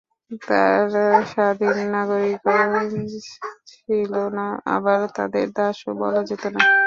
তারা স্বাধীন নাগরিকও ছিল না, আবার তাদের দাসও বলা যেত না।